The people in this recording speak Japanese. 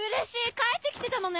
帰って来てたのね！